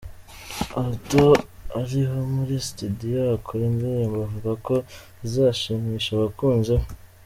Alto ari muri studio akora indirimbo avuga ko zizashimisha abakunzi be.